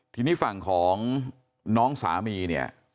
ทีนี้ฝั่งของน้องสามีเนี่ย